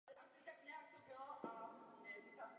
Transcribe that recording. Dnes je ve vlastnictví státu a je přístupný veřejnosti.